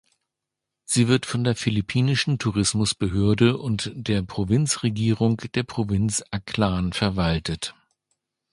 Sie wird von der Philippinischen Tourismusbehörde und der Provinzregierung der Provinz Aklan verwaltet.